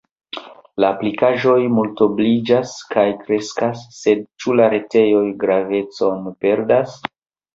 La aplikaĵoj multobliĝas kaj kreskas, sed ĉu la retejoj gravecon perdas?